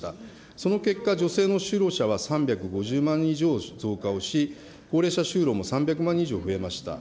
その結果、女性の就労者は３５０万人以上増加をし、高齢者就労も３００万人以上増えました。